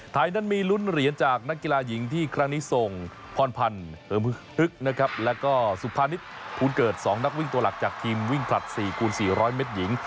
นั้นมีลุ้นเหรียญจากนักกีฬาหญิงที่ครั้งนี้ส่งพรพันธ์ฮึกนะครับแล้วก็สุภานิษฐ์ภูลเกิด๒นักวิ่งตัวหลักจากทีมวิ่งผลัด๔คูณ๔๐๐เมตรหญิง